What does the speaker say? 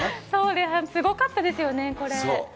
そうです、すごかったですよね、これ。